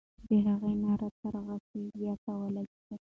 د هغې ناره تر غسي زیاته ولګېده.